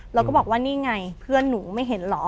แล้วก็บอกว่านี่ไงเพื่อนหนูไม่เห็นเหรอ